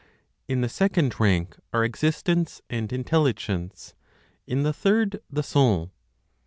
In the second rank are Existence and Intelligence; in the third, the Soul.